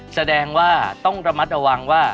แสดงว่าต้องระมัดระวังว่า